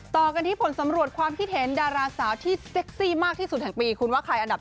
ต่อกันที่ผลสำรวจความคิดเห็นดาราสาวที่เซ็กซี่มากที่สุดแห่งปีคุณว่าใครอันดับ